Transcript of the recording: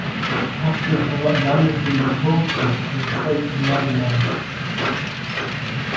Pastors are not mandatory reporters in the State of Maryland.